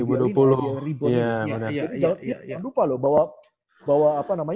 jangan lupa loh bahwa